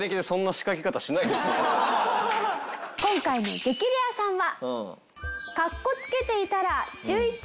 今回の激レアさんは。